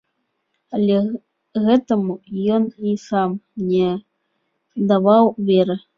Але гэтаму ён і сам не даваў веры.